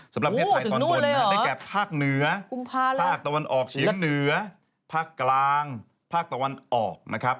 สำหรับประเทศไทยตอนบนได้แก่ภาคเหนือภาคตะวันออกเฉียงเหนือภาคกลางภาคตะวันออกนะครับ